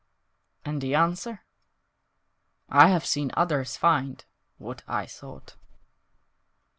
"And the answer?" "I have seen others find What I sought."